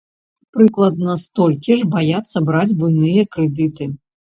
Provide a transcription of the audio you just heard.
Прыкладна столькі ж баяцца браць буйныя крэдыты.